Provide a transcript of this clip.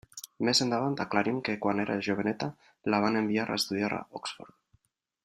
Més endavant aclarim que quan era joveneta la van enviar a estudiar a Oxford.